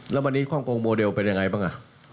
แล้ววันนี้ความโกรธ์โมเดลเป็นอย่างไรบ้าง